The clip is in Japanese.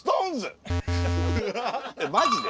マジで？